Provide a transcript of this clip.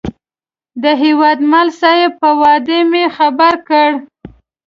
د هیوادمل صاحب په وعده مې خبر کړ.